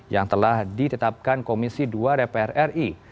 yang telah ditetapkan komisi dua dpr ri